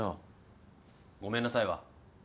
ごめんなさいは？